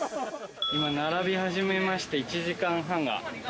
今並び始めまして１時間半が経ちます。